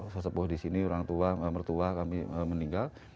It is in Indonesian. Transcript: sesepuh di sini orang tua mertua kami meninggal